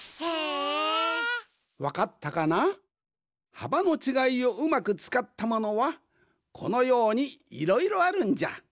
はばのちがいをうまくつかったものはこのようにいろいろあるんじゃ。